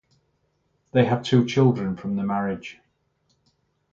They have two children from the marriage.